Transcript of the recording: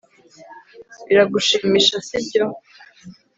Biragushimisha sibyo